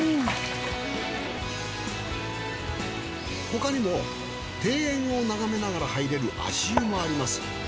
他にも庭園を眺めながら入れる足湯もあります。